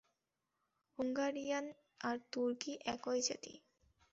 হুঙ্গারীয়ান আর তুর্কী একই জাতি।